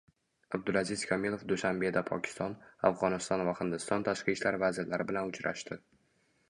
Abdulaziz Komilov Dushanbeda Pokiston, Afg‘oniston va Hindiston tashqi ishlar vazirlari bilan uchrashdi